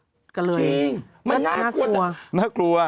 ทุกคนประสาทก็เลยน่ากลัวน่ากลัว